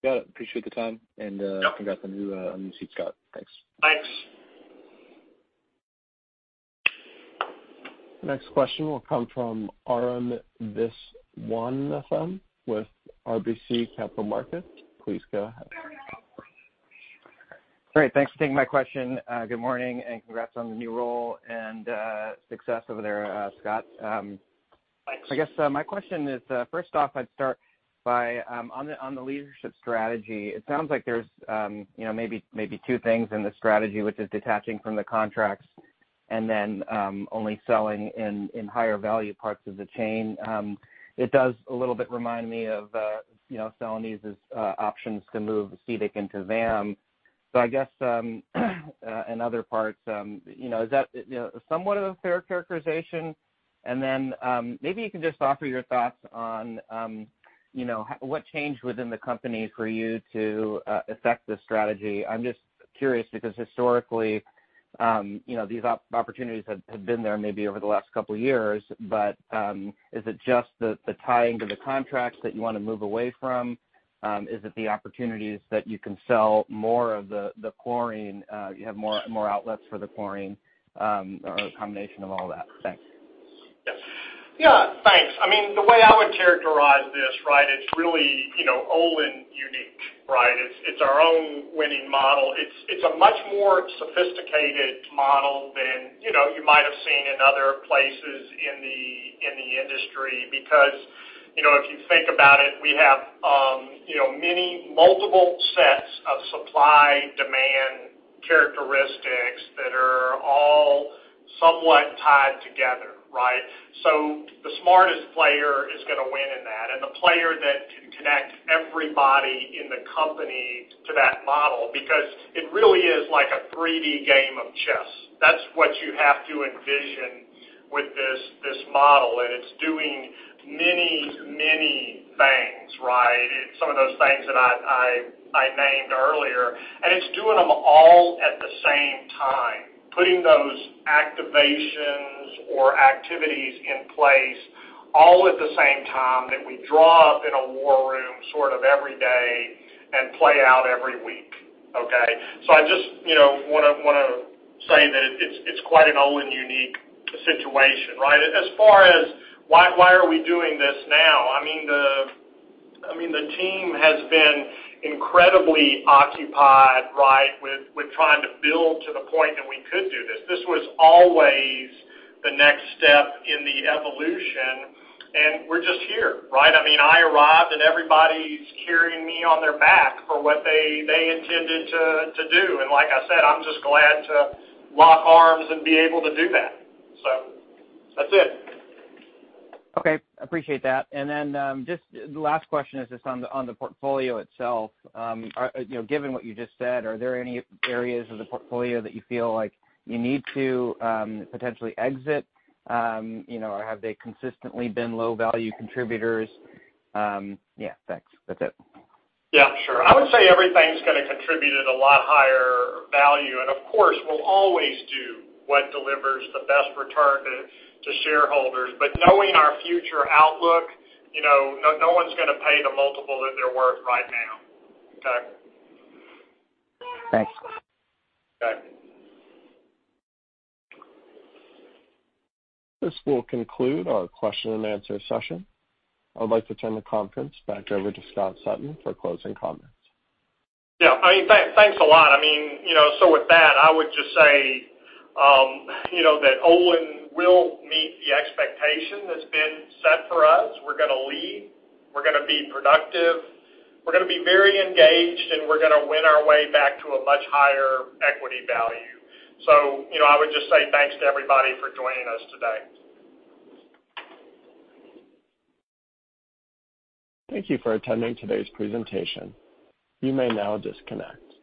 Got it. Appreciate the time and congrats on the new seat, Scott. Thanks. Thanks. Next question will come from Arun Viswanathan with RBC Capital Markets. Please go ahead. Great. Thanks for taking my question. Good morning. Congrats on the new role and success over there, Scott. Thanks. I guess my question is first off, I'd start by on the leadership strategy. It sounds like there's maybe two things in this strategy, which is detaching from the contracts and then only selling in higher value parts of the chain. It does a little bit remind me of Celanese's options to move [acetic] into VAM. I guess, in other parts, is that somewhat of a fair characterization? Then maybe you can just offer your thoughts on what changed within the company for you to affect this strategy. I'm just curious because historically, these opportunities have been there maybe over the last couple of years. Is it just the tying to the contracts that you want to move away from? Is it the opportunities that you can sell more of the chlorine, you have more outlets for the chlorine, or a combination of all that? Thanks. Yeah. Thanks. The way I would characterize this, it's really Olin unique. It's our own winning model. It's a much more sophisticated model than you might have seen in other places in the industry because, if you think about it, we have multiple sets of supply-demand characteristics that are all somewhat tied together. The smartest player is going to win in that, and the player that can connect everybody in the company to that model, because it really is like a 3D game of chess. That's what you have to envision with this model, and it's doing many things. Some of those things that I named earlier, and it's doing them all at the same time, putting those activations or activities in place all at the same time that we draw up in a war room every day and play out every week. Okay. I just want to say that it's quite an Olin unique situation. As far as why are we doing this now? The team has been incredibly occupied with trying to build to the point that we could do this. This was always the next step in the evolution, and we're just here. I arrived and everybody's carrying me on their back for what they intended to do. Like I said, I'm just glad to lock arms and be able to do that. That's it. Okay. Appreciate that. The last question is just on the portfolio itself. Given what you just said, are there any areas of the portfolio that you feel like you need to potentially exit? Have they consistently been low-value contributors? Yeah, thanks. That's it. Yeah, sure. I would say everything's going to contribute at a lot higher value. Of course, we'll always do what delivers the best return to shareholders. Knowing our future outlook, no one's going to pay the multiple that they're worth right now. Okay. Thanks. Okay. This will conclude our question and answer session. I would like to turn the conference back over to Scott Sutton for closing comments. Yeah. Thanks a lot. With that, I would just say that Olin will meet the expectation that's been set for us. We're going to lead, we're going to be productive, we're going to be very engaged, and we're going to win our way back to a much higher equity value. I would just say thanks to everybody for joining us today. Thank you for attending today's presentation. You may now disconnect.